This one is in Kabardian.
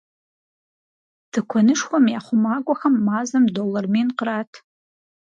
Тыкуэнышхуэм я хъумакӏуэхэм мазэм доллар мин кърат.